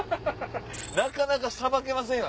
なかなか捌けませんよ